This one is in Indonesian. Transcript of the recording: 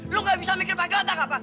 lu gak bisa mikir pakai ontak apa